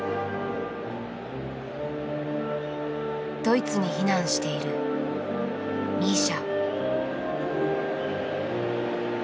ドイツに避難しているミーシャ。